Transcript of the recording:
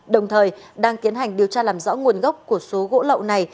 đồng thời đang tiến hành điều tra làm rõ nguồn gốc của số gỗ lậu này